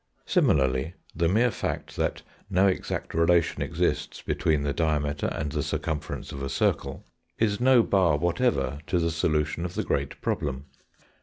Similarly, the mere fact that no exact relation exists between the diameter and the circumference of a circle is no bar whatever to the solution of the great problem.